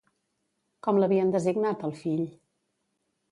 Com l'havien designat, al fill?